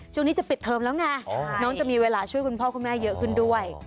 ช่วงนี้จะปิดเทอมแล้วไงน้องจะมีเวลาช่วยคุณพ่อคุณแม่เยอะขึ้นด้วย